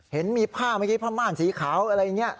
เห็นมีผ้าเมื่อกี้ผ้าม่านสีขาวอะไรอย่างนี้